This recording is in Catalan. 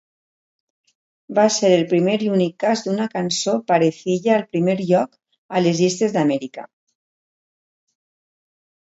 Va ser el primer i únic cas d'una cançó pare-filla al primer lloc a les llistes d'Amèrica.